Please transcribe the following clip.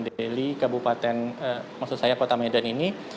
deli kabupaten maksud saya kota medan ini